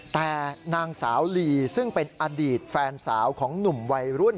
แต่นางสาวลีซึ่งเป็นอดีตแฟนสาวของหนุ่มวัยรุ่น